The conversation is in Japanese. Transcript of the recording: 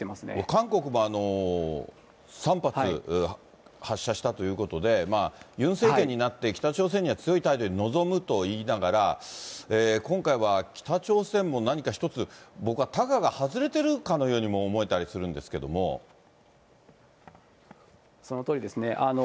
韓国も３発発射したということで、ユン政権になって、北朝鮮には強い態度で臨むといいながら、今回は北朝鮮も何か一つ、僕はたがが外れてるかのようにも思えたそのとおりですね。